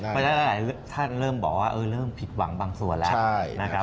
คุณท่านเริ่มบอกว่าเริ่มผิดหวังบางส่วนแล้ว